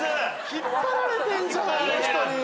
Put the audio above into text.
引っ張られてんじゃんあの人に。